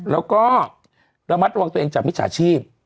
แล้วก็ระมัดระวังตัวเองจากมิจฉาชีพ